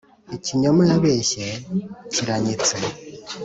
ikinyoma yabeshye kiranyitse.